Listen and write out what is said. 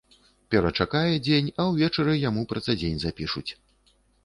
Перачакае дзень, а ўвечары яму працадзень запішуць.